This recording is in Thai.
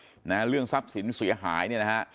เพราะฉะนั้นเรื่องทรัพย์สินเสียหายเนี่ยนะฮะ